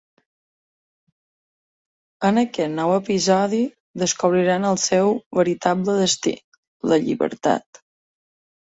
En aquest nou episodi descobriran el seu veritable destí: la llibertat.